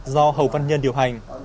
do hầu văn nhân điều hành